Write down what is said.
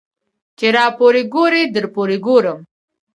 ـ چې راپورې ګورې درپورې ګورم.